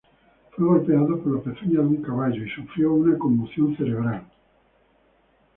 Fue golpeado por la pezuña de un caballo y sufrió una conmoción cerebral.